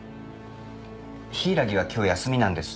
柊は今日休みなんです。